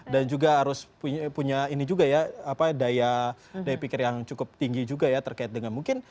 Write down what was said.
juga harus punya ini juga ya daya pikir yang cukup tinggi juga ya terkait dengan mungkin